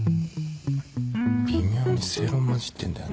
微妙に正論交じってんだよな。